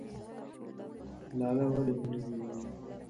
لاله ولې ملي ګل دی؟